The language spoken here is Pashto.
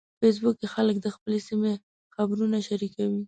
په فېسبوک کې خلک د خپلې سیمې خبرونه شریکوي